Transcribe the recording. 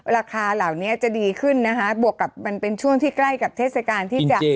ราคาเหล่านี้จะดีขึ้นนะคะบวกกับมันเป็นช่วงที่ใกล้กับเทศกาลที่จะ